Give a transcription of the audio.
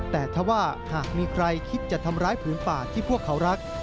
แต่ถ้าว่าหากมีใครคิดจะทำร้ายผืนป่าที่พวกเขารัก